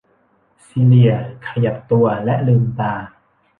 ซีเลียขยับตัวและลืมตา